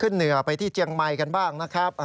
เหนือไปที่เจียงใหม่กันบ้างนะครับ